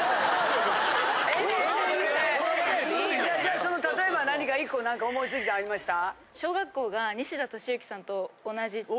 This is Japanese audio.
じゃあ例えば何か１個何か思いついたんありました？